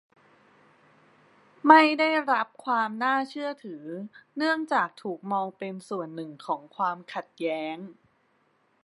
ไม่ได้รับความน่าเชื่อถือ เนื่องจากถูกมองเป็นส่วนหนึ่งของความขัดแย้ง